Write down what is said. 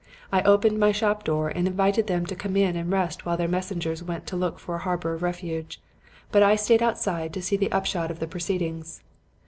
I opened my shop door and invited them to come in and rest while their messengers went to look for a harbor of refuge; but I stayed outside to see the upshot of the proceedings.